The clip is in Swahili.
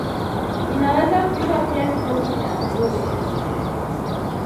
Inaweza kuitwa pia kitovu cha kivuli.